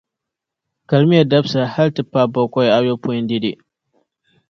kalimiya dabisa hali ti paai bakɔi ayopɔin dɛde.